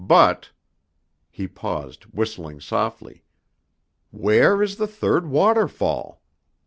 But " He paused, whistling softly. "Where is the third waterfall?"